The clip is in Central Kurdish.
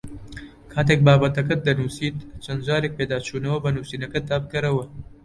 کاتێک بابەتەکەت دەنووسیت چەند جارێک پێداچوونەوە بە نووسینەکەتدا بکەرەوە